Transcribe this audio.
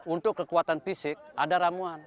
untuk kekuatan fisik ada ramuan